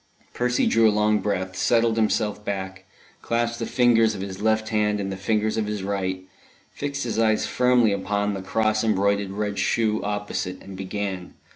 Percy drew a long breath, settled himself back, clasped the fingers of his left hand in the fingers of his right, fixed his eyes firmly upon the cross embroidered red shoe opposite, and began.